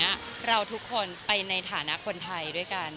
เราทุกคนไปในฐานะคนไทยด้วยกัน